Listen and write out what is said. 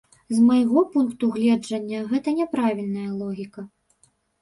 З майго пункту гледжання, гэта няправільная логіка.